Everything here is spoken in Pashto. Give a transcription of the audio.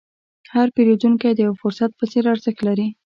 هر پیرودونکی د یو فرصت په څېر ارزښت لري.